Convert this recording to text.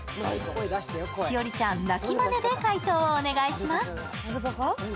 栞里ちゃん、鳴きまねで解答をお願いします。